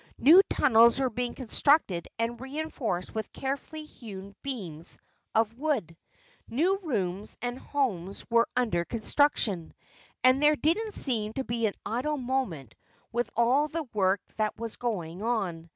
New tunnels were being constructed and reinforced with carefully hewn beams of wood, new rooms and homes were under construction, and there didn't seem to be an idle moment with all the work that was going on.